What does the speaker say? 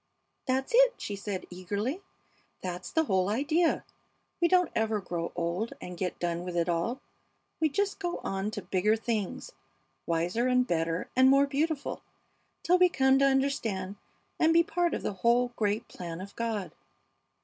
"That's it," she said, eagerly. "That's the whole idea. We don't ever grow old and get done with it all, we just go on to bigger things, wiser and better and more beautiful, till we come to understand and be a part of the whole great plan of God!"